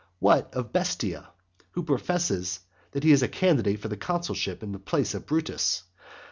What of Bestia, who professes that he is a candidate for the consulship in the place of Brutus?